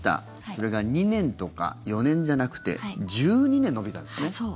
それが２年とか４年じゃなくて１２年延びたんですね。